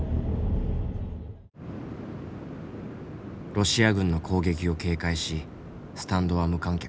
ロシア軍の攻撃を警戒しスタンドは無観客。